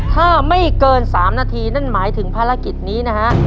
ถ้าไม่เกิน๓นาทีนั่นหมายถึงภารกิจนี้นะฮะ